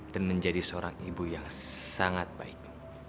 dan menjadi seorang ibu yang sangat baik